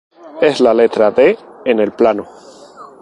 Es la letra D en el plano.